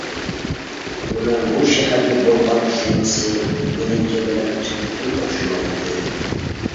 ئۇنىڭ بۇ شەھەرگە بولغان چۈشەنچىسى مېنىڭكى بىلەن تۈپتىن ئوخشىمايتتى.